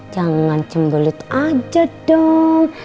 jangan cembulut aja dong